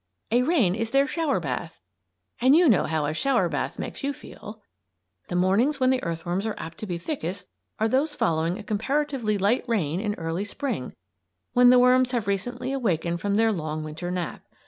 A rain is their shower bath; and you know how a shower bath makes you feel. The mornings when the earthworms are apt to be thickest are those following a comparatively light rain in early Spring when the worms have recently awakened from their long Winter nap.